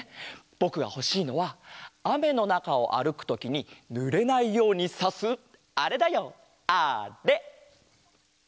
ぼくがほしいのはあめのなかをあるくときにぬれないようにさすあれだよあれ！